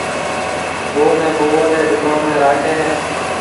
ڀوه نَي ڀوه ريَ گُدوم ۾ راکَي هيَ۔